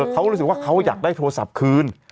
เขารู้สึกว่าเขาอยากได้โทรศัพท์คืน